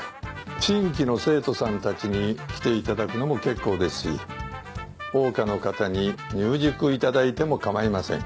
新規の生徒さんたちに来ていただくのも結構ですし桜花の方に入塾いただいても構いません。